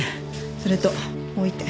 それともう一点。